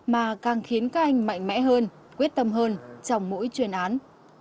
mà càng khiến các anh mạnh mẽ hơn quyết tâm hơn trong mỗi chuyên án